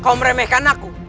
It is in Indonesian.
kau meremehkan aku